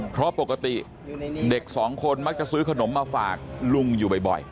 เพราะปกติเด็กสองคนมักจะซื้อขนมมาฝากลุงอยู่บ่อย